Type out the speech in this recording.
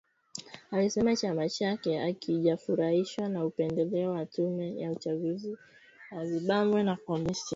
Alisema chama chake hakijafurahishwa na upendeleo wa tume ya uchaguzi ya Zimbabwe na polisi.